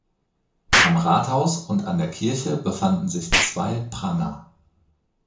Am Rathaus und an der Kirche befanden sich zwei Pranger.